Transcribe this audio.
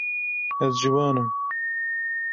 Ez ciwan im.